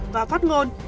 và phát ngôn